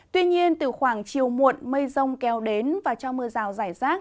tuy nhiên từ khoảng chiều muộn mây rông kéo đến và cho mưa rào rải rác